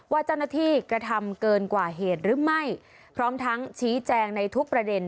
ว่าเจ้าหน้าที่กระทำเกินกว่าเหตุหรือไม่พร้อมทั้งชี้แจงในทุกประเด็น